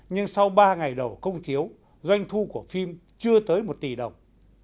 nhưng sau ba ngày đầu công chiếu doanh thu của phim chưa tới một tỷ đồng